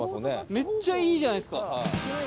めっちゃいいじゃないですか。